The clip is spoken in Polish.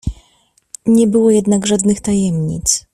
"Nie było jednak żadnych tajemnic."